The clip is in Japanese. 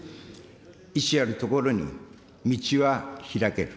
意志あるところに道は開ける。